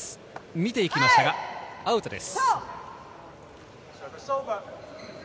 見ていきましたがアウトです。